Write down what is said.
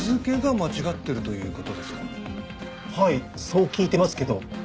はいそう聞いてますけど。